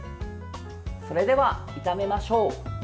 それでは、炒めましょう。